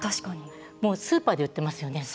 スーパーで売ってますよね。